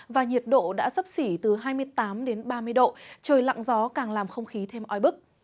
và nhiệt độ đã sấp xỉ từ hai mươi tám đến ba mươi độ trời lặng gió càng làm không khí thêm oi bức